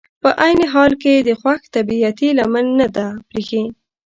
په عین حال کې یې د خوش طبعیتي لمن نه ده پرېښي.